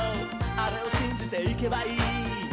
あれをしんじていけばいい」